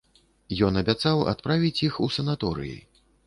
Ён абяцаў адправіць іх у санаторыі.